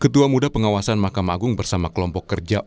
ketua muda pengawasan mahkamah agung bersama kelompok kerja